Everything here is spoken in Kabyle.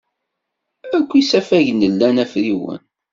Akk isafagen lan afriwen.